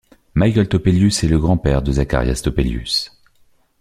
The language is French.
Mikael Toppelius est le grand-père de Zacharias Topelius.